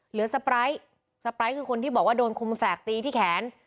สไปร์สไปร์คือคนที่บอกว่าโดนคมแฝกตีที่แขน